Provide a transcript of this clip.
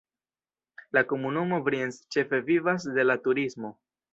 La komunumo Brienz ĉefe vivas de la turismo.